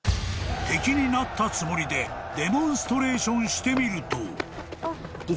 ［敵になったつもりでデモンストレーションしてみると］